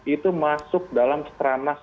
itu masuk dalam stranas